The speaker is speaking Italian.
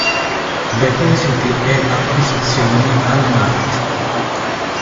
Depositi e acquisizioni al Mart".